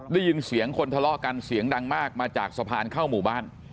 ได้ยินเสียงคนทะเลาะกันเสียงดังมากมาจากสะพานเข้าหมู่บ้าน